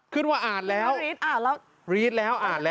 ขึ้นว่าอ่านแล้ว